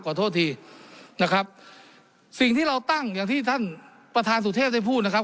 ขอโทษทีนะครับสิ่งที่เราตั้งอย่างที่ท่านประธานสุเทพได้พูดนะครับ